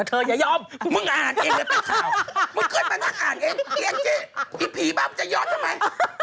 พีบ้ายอาจจะยอดทำไม